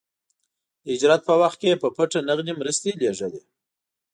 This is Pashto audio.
د هجرت په وخت کې يې په پټه نغدې مرستې لېږلې.